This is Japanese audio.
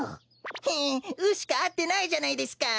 フン「う」しかあってないじゃないですか。